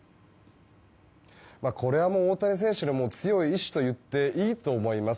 これはもう大谷選手の強い意思といっていいと思います。